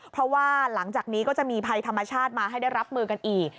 เพราะว่าหลังจากนี้ก็จะมีภัยธรรมชาติมาให้ได้รับมือกันอีก